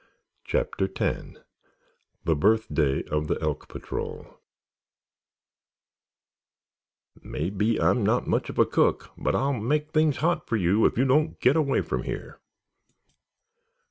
CHAPTER X THE BIRTHDAY OF THE ELK PATROL "Maybe I'm not much of a cook, but I'll make things hot for you if you don't get away from here!"